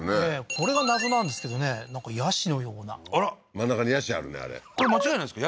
これが謎なんですけどねなんか椰子のようなあら真ん中に椰子あるねあれこれ間違いないですか？